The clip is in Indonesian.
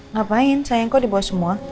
ngapain sayang kok dibawa semua